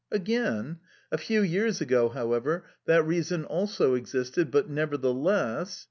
"Again? A few years ago, however, that reason also existed, but, nevertheless"...